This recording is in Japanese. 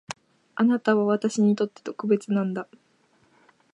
あなたは私にとって特別なんだ